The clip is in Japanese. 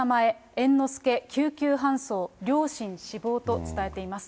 猿之助救急搬送、両親死亡と伝えています。